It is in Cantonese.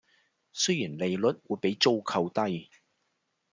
雖然利率會比租購低